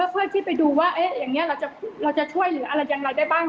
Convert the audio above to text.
เพื่อที่ไปดูว่าเราจะช่วยหรืออะไรอย่างไรได้บ้าง